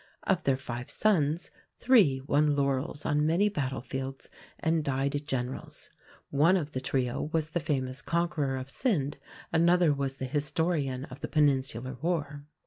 Of their five sons, three won laurels on many battlefields and died generals; one of the trio was the famous conqueror of Scinde, another was the historian of the Peninsular War.